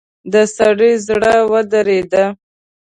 د سړي زړه ودرېد.